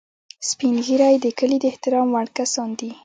سپین ږیری د کلي د احترام وړ کسان دي